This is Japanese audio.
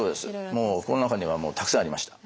もう心の中にはたくさんありました。